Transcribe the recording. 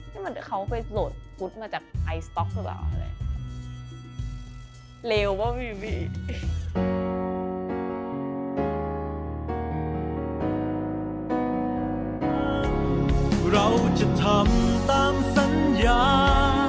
นี่มันเขาไปโหลดฟุตมาจากไอสต๊อกหรือเปล่าอะไร